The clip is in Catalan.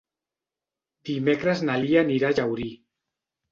Dimecres na Lia anirà a Llaurí.